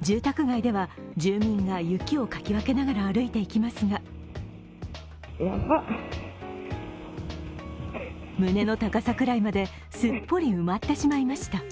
住宅街では住民が雪をかき分けながら歩いていきますが胸の高さくらいまで、すっぽり埋まってしまいました。